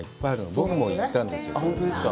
僕も行ったんですよ。